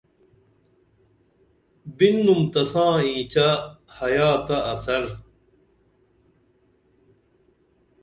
بِنُم تساں اینچہ حیا تہ اثر